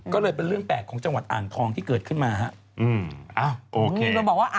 ก็เลยเป็นเรื่องแปลกของจังหวัดอ่างทองที่เกิดขึ้นมาฮะ